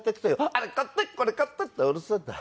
「あれ買ってこれ買って」ってうるせえんだ。